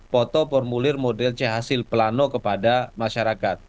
foto formulir model chasil plano kepada masyarakat